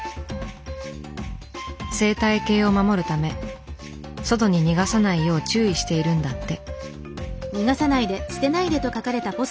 生態系を守るため外に逃がさないよう注意しているんだって。